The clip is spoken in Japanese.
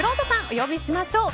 お呼びしましょう。